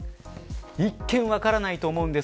一見分からないと思います。